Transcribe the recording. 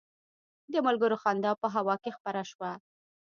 د ملګرو خندا په هوا کې خپره شوه.